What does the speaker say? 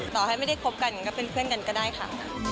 ต่อให้ไม่ได้คบกันก็เป็นเพื่อนกันก็ได้ค่ะ